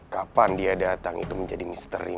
kapan dia datang itu menjadi misteri